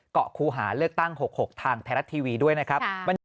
ครูหาเลือกตั้ง๖๖ทางไทยรัฐทีวีด้วยนะครับ